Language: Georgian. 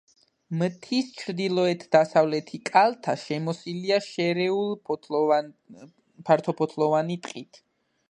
მთის ჩრდილოეთ-დასავლეთი კალთა შემოსილია შერეული ფართოფოთლოვანი ტყით.